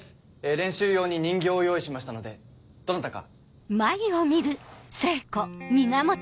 練習用に人形を用意しましたのでどなたか。